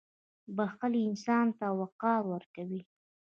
• بښل انسان ته وقار ورکوي.